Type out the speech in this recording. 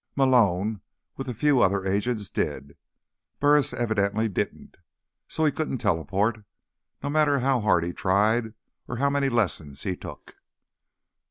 Malone, along with a few other agents, did. Burris evidently didn't, so he couldn't teleport, no matter how hard he tried or how many lessons he took.